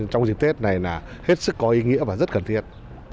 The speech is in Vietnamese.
trong dịp tết này là hết sức có ý nghĩa và rất cần thiết